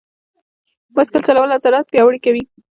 بایسکل چلول عضلات پیاوړي کوي.